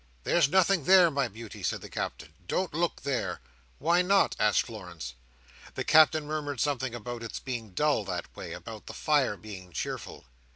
"There's nothing there, my beauty," said the Captain. "Don't look there." "Why not?" asked Florence. The Captain murmured something about its being dull that way, and about the fire being cheerful.